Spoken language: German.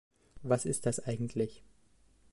Was ist das eigentlich?